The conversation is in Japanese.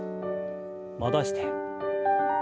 戻して。